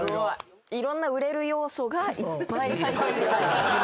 いろんな売れる要素がいっぱい入ってるから。